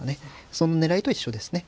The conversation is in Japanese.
その狙いと一緒ですね。